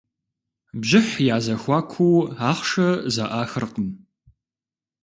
Бжыхь я зэхуакуу ахъшэ зэӏахыркъым.